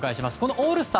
オールスター